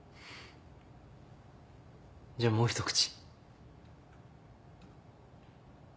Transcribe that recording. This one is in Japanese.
じゃあもう１口。